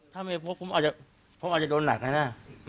ถ้าไม่พบผมอาจจะโดนหนักนะ